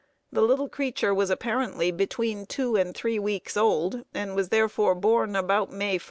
The little creature was apparently between two and three weeks old, and was therefore born about May 1.